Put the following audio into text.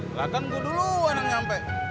belakang gue dulu orang nyampe